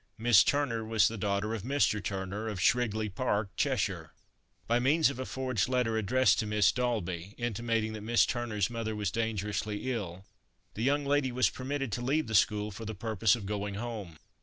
Miss Turner was the daughter of Mr. Turner, of Shrigley Park, Cheshire. By means of a forged letter addressed to Miss Daulby, intimating that Miss Turner's mother was dangerously ill, the young lady was permitted to leave the school for the purpose of going home.